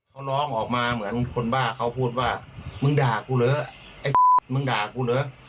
เขาร้องออกมาเหมือนคนบ้าเขาพูดว่ามึงด่ากูเหรอไอ้มึงด่ากูเหรอ